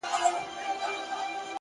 مثبت ذهن فرصتونه جذبوي،